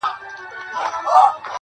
پر څښتن دسپي دي وي افرینونه,